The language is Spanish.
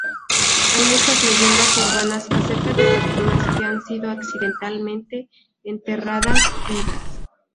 Hay muchas leyendas urbanas acerca de personas que han sido accidentalmente enterradas vivas.